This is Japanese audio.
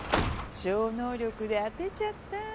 超能力で当てちゃった。